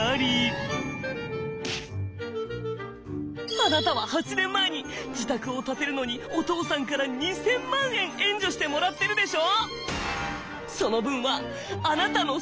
「あなたは８年前に自宅を建てるのにお父さんから２，０００万円援助してもらってるでしょ！」。